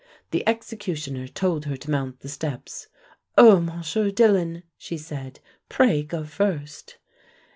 The executioner told her to mount the steps. "Oh, Monsieur Dillon," she said, "pray go first."